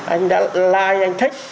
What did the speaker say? anh đã like anh thích